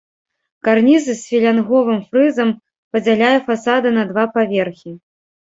Карніз з філянговым фрызам падзяляе фасады на два паверхі.